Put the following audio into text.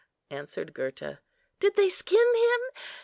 answered Gurta. "Did they skin him?